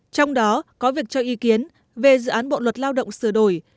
trong đó có việc cho ý kiến về dự án bộ luật lao động sửa đổi